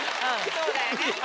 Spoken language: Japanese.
そうだよね。